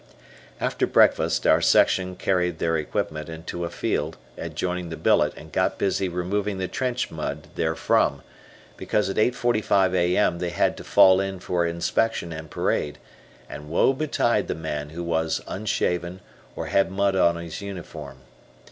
After breakfast, our section carried their equipment into a field adjoining the billet and got busy removing the trench mud therefrom, because at 8.45 A.M., they had to fall in for inspection and parade, and woe betide the man who was unshaven, or had mud on his uniform.